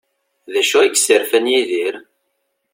D acu i yesserfan Yidir?